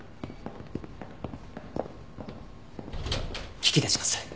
聞き出します